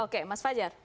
oke mas fajar